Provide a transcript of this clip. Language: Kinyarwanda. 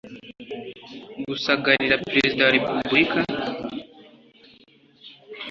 gusagarira perezida wa repubulika